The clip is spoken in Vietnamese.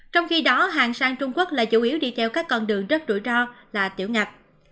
trong khi đó hàng sang trung quốc là chủ yếu đi theo các con đường rất rủi ro là tiểu ngạch